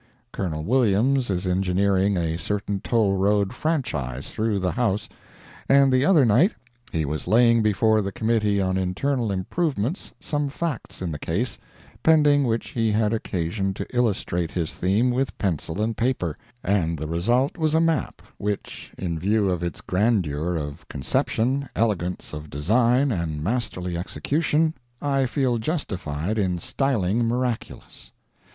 Col. Williams is engineering a certain toll road franchise through the House, and the other night he was laying before the Committee on Internal Improvements some facts in the case, pending which he had occasion to illustrate his theme with pencil and paper, and the result was a map, which, in view of its grandeur of conception, elegance of design and masterly execution, I feel justified in styling miraculous.